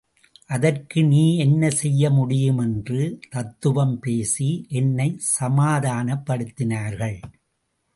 அதற்கு நீ என்ன செய்ய முடியும் என்று தத்துவம் பேசி என்னைச் சமாதானப்படுத்தினார்கள்.